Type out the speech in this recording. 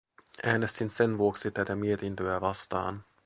Äänestin sen vuoksi tätä mietintöä vastaan.